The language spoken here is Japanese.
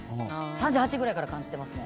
３８ぐらいから感じてますね。